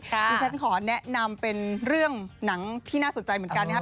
ดิฉันขอแนะนำเป็นเรื่องหนังที่น่าสนใจเหมือนกันนะครับ